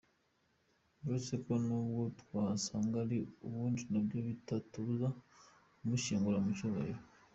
Uretse ko n’ubwo twasanga ari uw’undi na byo bitatubuza kumushyingura mu cyubahiro.